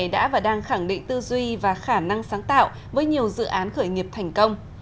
đã và đang khẳng định tư duy và khả năng sáng tạo với nhiều dự án khởi nghiệp thành công